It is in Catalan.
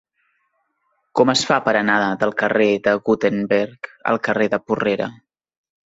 Com es fa per anar del carrer de Gutenberg al carrer de Porrera?